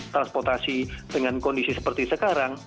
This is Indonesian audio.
transportasi dengan kondisi seperti sekarang